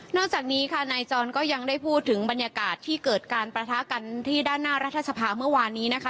จากนี้ค่ะนายจรก็ยังได้พูดถึงบรรยากาศที่เกิดการประทะกันที่ด้านหน้ารัฐสภาเมื่อวานนี้นะคะ